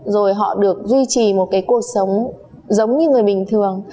rồi họ được duy trì một cái cuộc sống giống như người bình thường